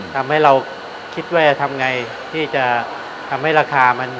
ทำให้เราคิดว่าจะทำไงที่จะทำให้ราคามัน